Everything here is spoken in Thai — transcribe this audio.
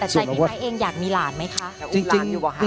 แต่ใจมีใครเองอยากมีหลานไหมคะ